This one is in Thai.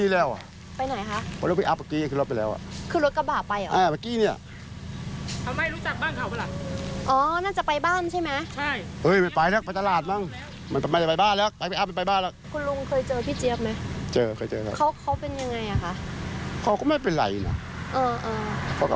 แล้วรู้เรื่องที่เขาแบบมีปัญหากับแม่เขาอะไรอย่างนี้ไหมคะ